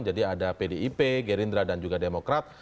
jadi ada pdip gerindra dan juga demokrat